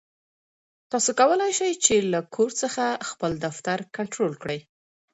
تاسو کولای شئ چې له کور څخه خپل دفتر کنټرول کړئ.